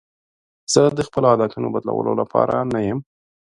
زه د خپلو عادتونو بدلولو لپاره نه یم.